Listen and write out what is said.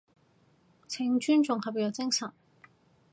請尊重合約精神